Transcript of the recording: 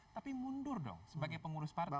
tapi mundur dong sebagai pengurus partai